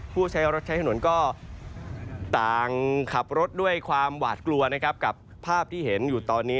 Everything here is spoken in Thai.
ผู้ใช้รถชายฝนทางด้วยความหวาดกลัวกับภาพที่เห็นอยู่ตอนนี้